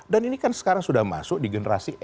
dan ini kan sekarang sudah masuk di generasi